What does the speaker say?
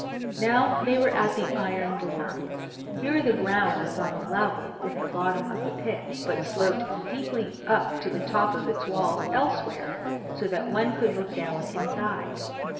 Now they were at the iron door. Here the ground was on a level with the bottom of the pit, but sloped steeply up to the top of its walls elsewhere, so that one could look down inside.